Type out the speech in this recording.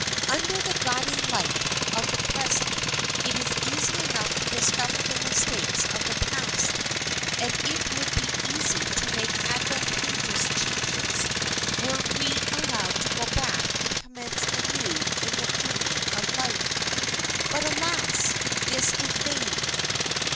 Under the guiding light of the present it is easy enough to discover the mistakes of the past; and it would be easy to make advantageous changes were we allowed to go back and commence anew in the journey of life. But alas! this is vain.